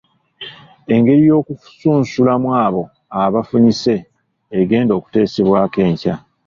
Engeri y’okusunsulamu abo abafunyise egenda kuteesebwako enkya.